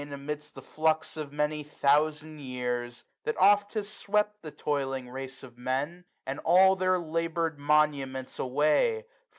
Amid the flux of many thousand years, 35 That oft has swept the toiling race of Men, And all their laboured monuments away.